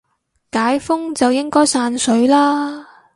解封就應該散水啦